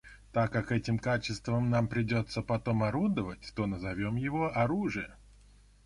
Так как этим качеством нам придется потом орудовать, то назовем его оружие.